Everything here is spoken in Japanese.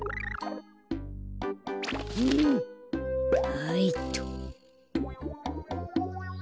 はいっと。